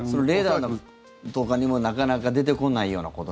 レーダーとかにもなかなか出てこないような。